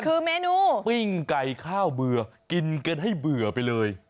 คือเมนูปิ้งไก่ข้าวเบื่อกินกันให้เบื่อไปเลย